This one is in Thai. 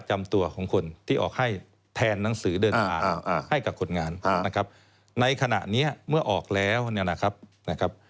โฮ่งานนะครับ